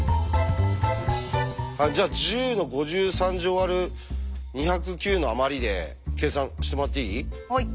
じゃあ１０の５３乗割る２０９のあまりで計算してもらっていい？